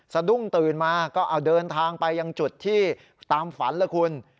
สะดุ้งตื่นมาก็เอาเดินทางไปยังจุดที่ตามฝันแล้วคุณ